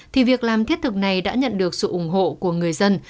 thì việc làm thiết thực này đã nhận được sự ủng hộ của người dân